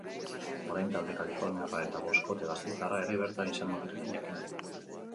Orain talde kaliforniarra eta boskote gasteiztarra ere bertan izango direla jakin dugu.